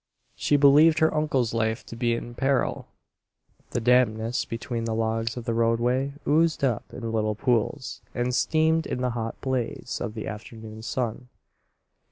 She believed her uncle's life to be in peril! The dampness between the logs of the roadway oozed up in little pools and steamed in the hot blaze of the afternoon sun.